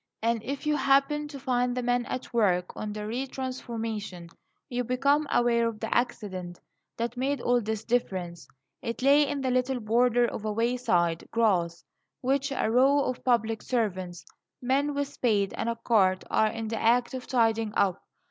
And if you happen to find the men at work on the re transformation, you become aware of the accident that made all this difference. It lay in the little border of wayside grass which a row of public servants men with spades and a cart are in the act of tidying up.